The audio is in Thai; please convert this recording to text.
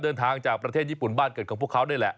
เดินทางจากประเทศญี่ปุ่นบ้านเกิดของพวกเขานี่แหละ